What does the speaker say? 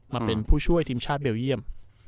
มาเป็นผู้ช่วยทีมชาติเบลเยี่ยม